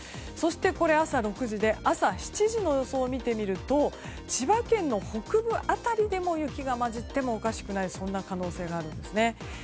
そして朝７時の予想を見てみると千葉県の北部辺りでも雪が交じってもおかしくないそんな可能性があるんですね。